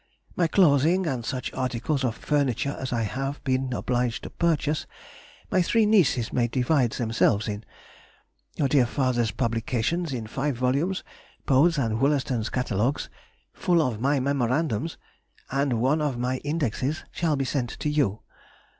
My clothing and such articles of furniture as I have been obliged to purchase, my three nieces may divide themselves in. Your dear father's publications in five volumes, Bode's and Wollaston's Catalogues (full of my memorandums), and one of my Indexes, shall be sent to you.